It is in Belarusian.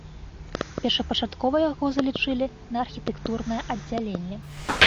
Першапачаткова яго залічылі на архітэктурнае аддзяленне.